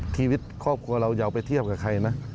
ชีวิตครอบครัวเราอย่าเอาไปเทียบกับใครนะ